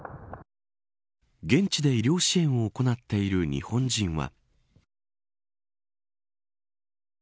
現地で医療支援を行っている日本人は。